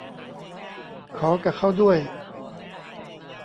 ขอกะเค้าด้วย